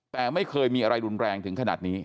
แต่ไม่เคยมีอะไรรุนแรงถึงขนาดนี้